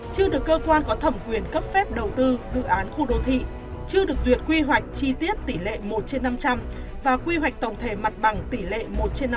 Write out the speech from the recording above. chưa được cơ quan có thẩm quyền cấp phép đầu tư dự án khu đô thị chưa được duyệt quy hoạch chi tiết tỷ lệ một trên năm trăm linh và quy hoạch tổng thể mặt bằng tỷ lệ một trên năm mươi